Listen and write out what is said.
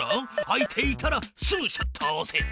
開いていたらすぐシャッターをおせ。